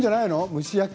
蒸し焼き。